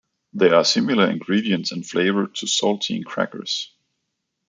They are similar in ingredients and flavor to saltine crackers.